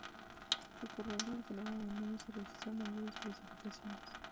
Con ocurrencia del Fenómeno del Niño se registran mayores precipitaciones.